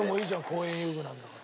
公園遊具なんだから。